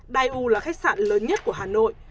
dai u là khách sạn lớn nhất của hà nội